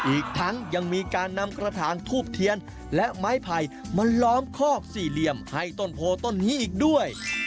อีกทั้งยังมีการนำกระถางทูบเทียนและไม้ไผ่มาล้อมคอกสี่เหลี่ยมให้ต้นโพต้นนี้อีกด้วย